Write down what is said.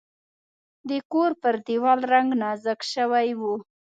د کور پر دیوال رنګ نازک شوی و.